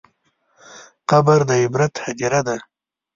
قبر د عبرت هدیره ده.